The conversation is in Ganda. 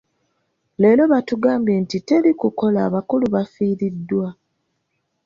Leero batugambye nti teri kukola abakulu baafiiriddwa.